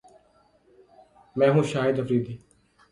میں ہوں شاہد افریدی